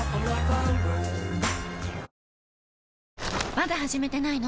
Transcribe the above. まだ始めてないの？